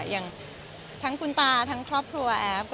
อย่างทั้งคุณตาทั้งครอบครัวแอฟ